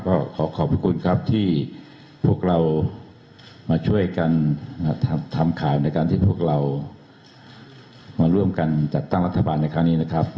ก็ขอขอบพระคุณครับที่พวกเรามาช่วยกันทำข่าวในการที่พวกเรามาร่วมกันจัดตั้งรัฐบาลในครั้งนี้นะครับ